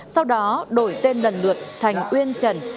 hoặc đổi tên lần lượt thành uyên trần